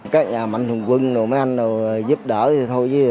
các nhà mạng thường quân mấy anh giúp đỡ thì thôi